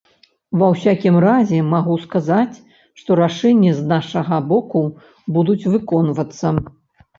Ва ўсякім разе, магу сказаць, што рашэнні з нашага боку будуць выконвацца.